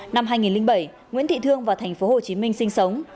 năm hai nghìn bảy nguyễn thị thương và thành phố hồ chí minh sinh sống